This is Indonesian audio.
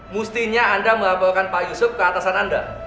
mestinya anda mengabalkan pak yusuf ke atasan anda